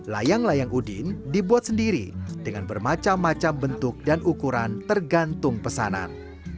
layang layang udin dibuat sendiri dengan bermacam macam bentuk dan ukuran tergantung pesanan